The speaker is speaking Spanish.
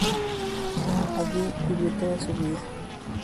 Allí vivió toda su vida.